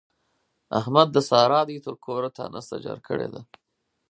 احمد د سارا دوی تر کوره تانسته جار کړې ده.